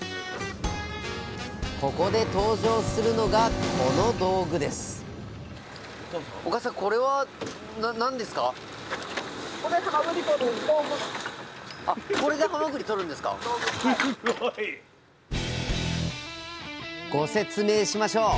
ここで登場するのがこの道具ですご説明しましょう！